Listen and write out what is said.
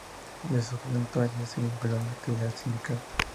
Desde su juventud Arias se vinculó a la actividad sindical.